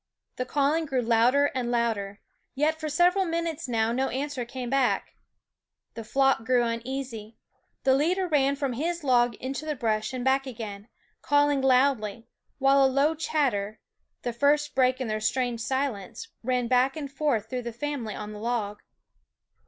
The calling grew louder and louder; yet for several minutes now no answer came back. The flock grew uneasy ; the leader ran from his log into the brush and back again, calling loudly, while a low chatter, the first break in their strange silence, ran back and forth through the family on the log.